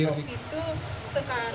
itu sekarang ini serba mahal